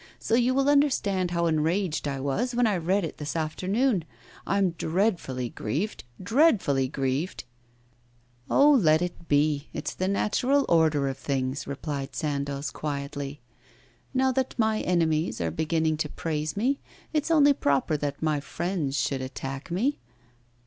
So you will understand how enraged I was when I read it this afternoon. I am dreadfully grieved, dreadfully grieved ' 'Oh, let it be! It's the natural order of things,' replied Sandoz, quietly. 'Now that my enemies are beginning to praise me, it's only proper that my friends should attack me.